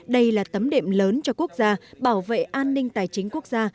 đây là tấm đệm lớn cho quốc gia bảo vệ an ninh tài chính quốc gia